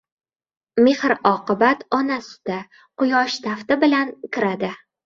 Mehr-oqibat ona suti, quyosh tafti bilan kiradi.